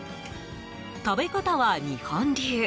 食べ方は日本流。